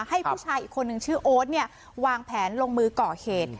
ให้ผู้ชายอีกคนนึงชื่อโอ๊ตเนี่ยวางแผนลงมือก่อเหตุ